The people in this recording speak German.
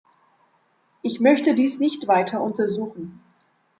Ich möchte dies nicht weiter untersuchen.